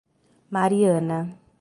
Mariana